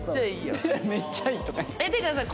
めっちゃいいやん。